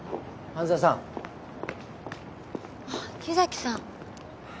木崎さん。